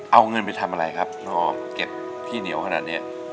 เอาเงินไปทำอะไรครับรอเก็บที่เหนียวขนาดนี้